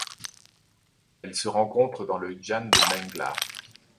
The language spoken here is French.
Elle se rencontre dans le xian de Mengla.